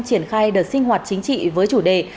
triển khai đợt sinh hoạt chính trị với chủ đề